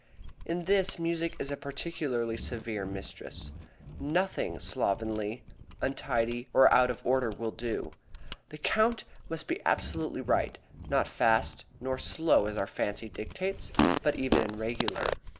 In this, music is a particularly severe mistress. Nothing slovenly, untidy, or out of order will do. The count must be absolutely right, not fast nor slow as our fancy dictates, but even and regular.